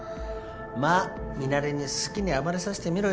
まあミナレに好きに暴れさせてみろよ。